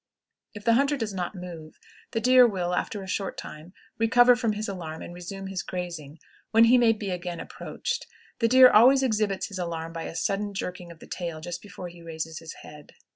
If the hunter does not move, the deer will, after a short time, recover from his alarm and resume his grazing, when he may be again approached. The deer always exhibits his alarm by a sudden jerking of the tail just before he raises his head.